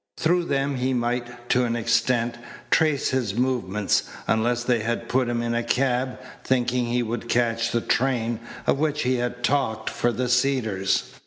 Through them he might, to an extent, trace his movements, unless they had put him in a cab, thinking he would catch the train, of which he had talked, for the Cedars.